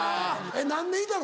何年いたの？